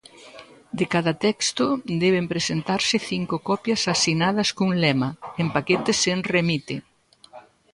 De cada texto deben presentarse cinco copias asinadas cun lema, en paquete sen remite.